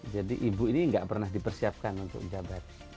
jadi ibu ini gak pernah dipersiapkan untuk jabat